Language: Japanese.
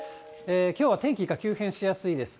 きょうは天気が急変しやすいです。